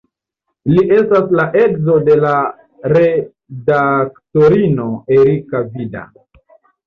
Li estas la edzo de redaktorino Erika Vida.